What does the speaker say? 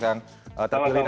a sampai z